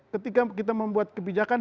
ketika kita membuat kebijakan